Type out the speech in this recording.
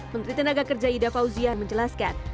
menteri tenaga kerja ida fauziah menjelaskan